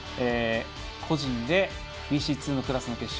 個人ＢＣ２のクラスの決勝